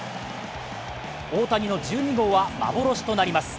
大谷の１２号は幻となります。